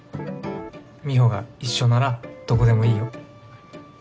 美帆が一緒ならどこでもいいよ。